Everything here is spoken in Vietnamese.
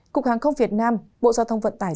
cục hàng không việt nam bộ giao thông vận tải